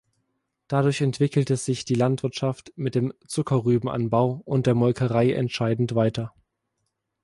Dadurch entwickelte sich die Landwirtschaft mit dem Zuckerrübenanbau und der Molkerei entscheidend weiter.